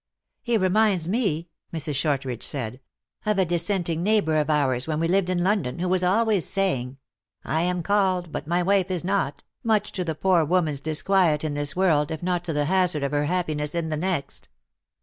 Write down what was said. " He reminds me," Mrs. Shortridge said, " of a dis senting neighbor of ours, when we lived in London, who was always saying, c I am called, but my wife is not, much to the poor woman s disquiet in this world, if not to the hazard of her happiness in the next."